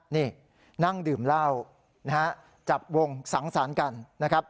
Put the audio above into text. นี่นั่งดื่มเหล้านะฮะจับวงสังสรรค์กันนะครับ